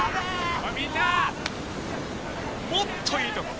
おいみんなもっといいとこ。